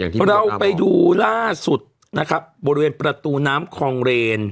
เราไปดูล่าสุดนะครับบริเวณประตูน้ำคลองเรน